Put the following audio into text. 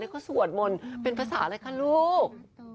เขาสวดมนต์เป็นภาษาอะไรคะลูก